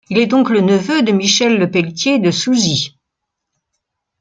Il est donc le neveu de Michel Le Peletier de Souzy.